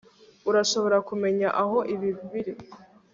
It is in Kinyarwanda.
Urashobora kumenya aho ibi biri